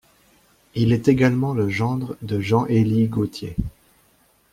Il est également le gendre de Jean-Elie Gautier.